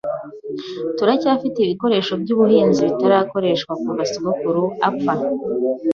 Turacyafite ibikoresho byubuhinzi bitarakoreshwa kuva sogokuru apfa.